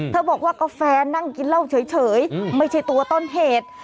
บอกว่ากาแฟนั่งกินเหล้าเฉยไม่ใช่ตัวต้นเหตุ